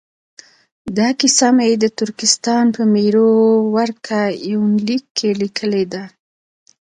دا کیسه مې د ترکستان په میرو ورکه یونلیک کې لیکلې ده.